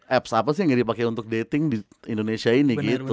apps apa sih yang dipakai untuk dating di indonesia ini gitu